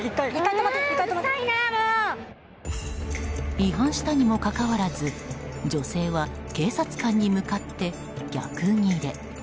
違反したにもかかわらず女性は警察官に向かって逆ギレ。